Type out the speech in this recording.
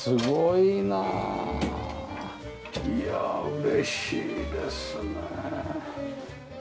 いやあ嬉しいですね。